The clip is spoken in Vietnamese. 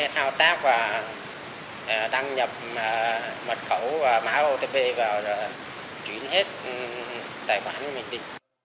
thao tác và đăng nhập mật khẩu và máu otp vào rồi chuyển hết tài khoản của mình đi